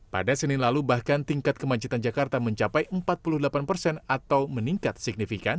pada senin lalu bahkan tingkat kemacetan jakarta mencapai empat puluh delapan persen atau meningkat signifikan